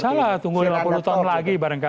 bisa lah tunggu dua puluh tahun lagi barangkali